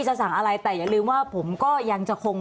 จะสั่งอะไรแต่อย่าลืมว่าผมก็ยังจะคง